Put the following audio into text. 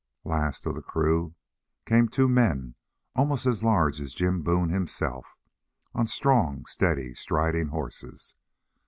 Last of the crew came two men almost as large as Jim Boone himself, on strong steady striding horses.